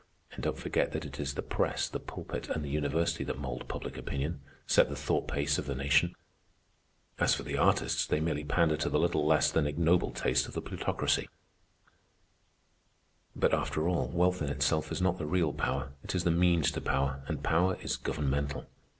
And don't forget that it is the press, the pulpit, and the university that mould public opinion, set the thought pace of the nation. As for the artists, they merely pander to the little less than ignoble tastes of the Plutocracy. "But after all, wealth in itself is not the real power; it is the means to power, and power is governmental.